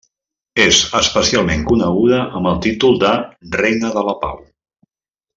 És especialment coneguda amb el títol de Reina de la Pau.